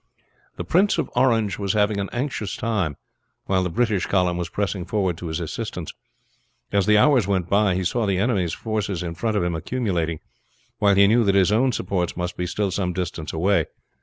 The Prince of Orange was having an anxious time while the British column was pressing forward to his assistance. As the hours went by he saw the enemy's forces in front of him accumulating, while he knew that his own supports must be still some distance away.